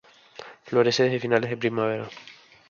Florece desde finales de primavera.